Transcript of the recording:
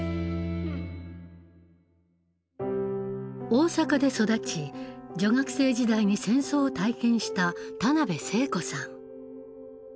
大阪で育ち女学生時代に戦争を体験した田辺聖子さん。